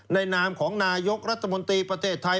นามของนายกรัฐมนตรีประเทศไทย